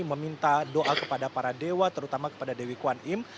meminta doa kepada para dewa terutama kepada dewi kwan im